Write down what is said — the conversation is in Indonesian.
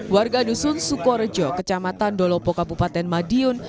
warga dusun sukorejo kecamatan dolopo kabupaten madiun